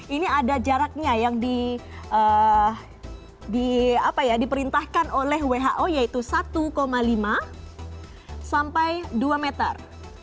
ini ada jaraknya yang diperintahkan oleh who yaitu satu lima sampai dua meter